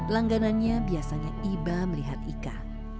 langganannya biasanya iba melihat ika